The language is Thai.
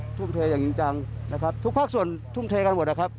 ทุ่มเทอย่างจริงจังนะครับทุกภาคส่วนทุ่มเทกันหมดนะครับ